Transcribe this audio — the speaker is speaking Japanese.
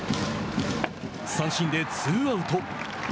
三振でツーアウト。